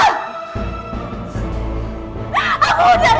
aku udah kasih semuanya ke kamu